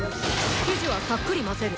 生地はさっくり混ぜる。